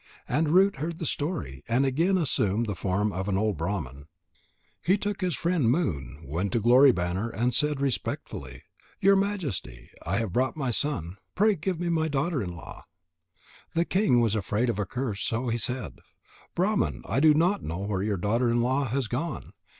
And Root heard the story, and again assumed the form of an old Brahman. He took his friend Moon, went to Glory banner, and said respectfully: "Your Majesty, I have brought my son. Pray give me my daughter in law." The king was afraid of a curse, so he said: "Brahman, I do not know where your daughter in law has gone.